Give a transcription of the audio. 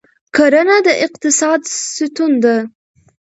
کرنه د اقتصاد ستون ده.